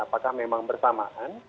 apakah memang bersamaan